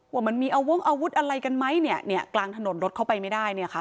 ว่ามันมีอาวงอาวุธอะไรกันไหมเนี่ยกลางถนนรถเข้าไปไม่ได้เนี่ยค่ะ